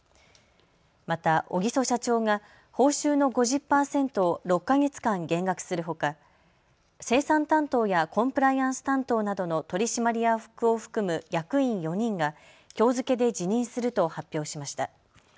また小木曽社長が報酬の５０％を６か月間減額するほか生産担当やコンプライアンス担当などの取締役を含む役員４人がきょう付けで辞任すると発表しました。